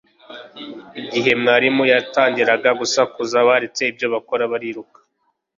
Igihe mwarimu yatangiraga gusakuza, baretse ibyo bakora bariruka.